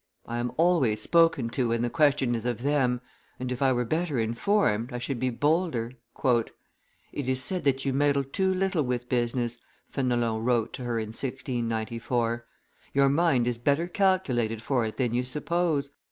I am always spoken to when the question is of them; and if I were better informed, I should be bolder." "It is said that you meddle too little with business," Fenelon wrote to her in 1694; "your mind is better calculated for it than you suppose.